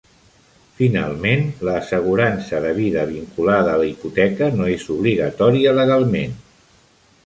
Finalment, l'assegurança de vida vinculada la hipoteca no és obligatòria legalment.